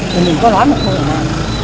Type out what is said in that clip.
thì mình có nói một lời là